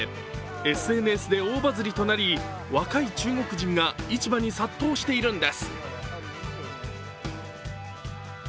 ＳＮＳで大バズりとなり若い中国人が市場に殺到しているんです。